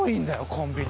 コンビニ。